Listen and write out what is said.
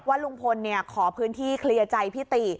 ว่าลุงพลขอพื้นที่เขลี่ยใจพี่ติ